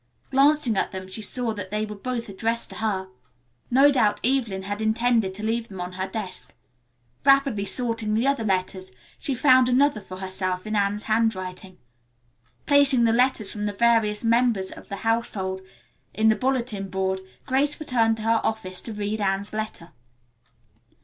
Glancing at them she saw that they were both addressed to her. No doubt Evelyn had intended to leave them on her desk. Rapidly sorting the other letters she found another for herself in Anne's handwriting. Placing the letters for the various members of the household in the bulletin board Grace retired to her office to read Anne's letter.